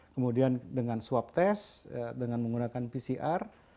kemudian dengan swab test dengan menggunakan pcr